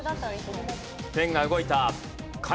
ペンが動いた。